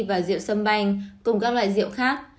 và rượu samban cùng các loại rượu khác